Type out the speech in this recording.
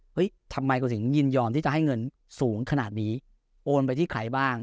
เฮ้ยทำไมกสิ่งยินยอมที่จะให้เงินสูงขนาดนี้โอนไปที่ไขบ้าง